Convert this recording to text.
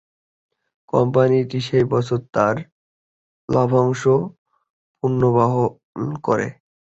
কোম্পানিটি সেই বছর তার লভ্যাংশ পুনর্বহাল করে।